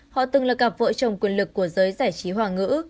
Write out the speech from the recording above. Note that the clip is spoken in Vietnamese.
họ từng là cặp vợ chồng quyền lực của giới giải trí hòa ngữ